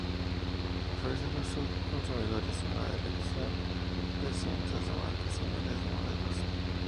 Ofrece a los consumidores una elección de cientos de marcas y miles de modelos.